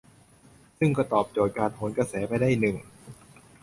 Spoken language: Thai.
ซึ่งก็ตอบโจทย์การโหนกระแสไปได้หนึ่ง